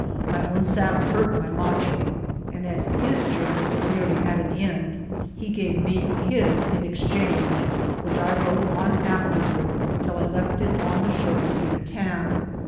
My own saddle hurt my macho ; and as his journey was nearly at an end, he gave me his in exchange, which I rode on afterward till I left it on the shores of Yuca tan.